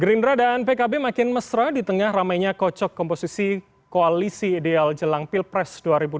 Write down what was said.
gerindra dan pkb makin mesra di tengah ramainya kocok komposisi koalisi ideal jelang pilpres dua ribu dua puluh